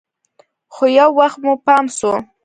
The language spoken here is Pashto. خو يو وخت مو پام سو.